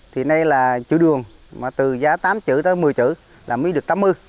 thì đây là chữ đường mà từ giá tám chữ tới một mươi chữ là mía được tám mươi